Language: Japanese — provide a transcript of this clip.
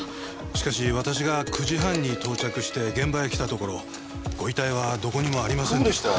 しかし私が９時半に到着して現場へ来たところご遺体はどこにもありませんでした。